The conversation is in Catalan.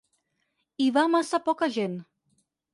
Hi va massa poca gent.